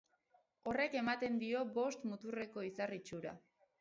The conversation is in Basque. Horrek ematen dio bost muturreko izar itxura.